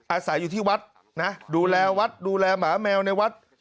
อาศัยอยู่ที่วัดนะดูแลวัดดูแลหมาแมวในวัด